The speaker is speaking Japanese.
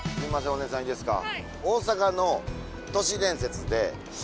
お姉さんいいですか？